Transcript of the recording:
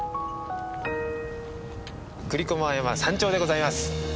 栗駒山山頂でございます。